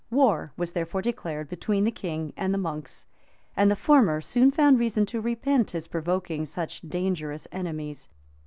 War was therefore declared between the king and the monks; and the former soon found reason to repent his provoking such dangerous enemies.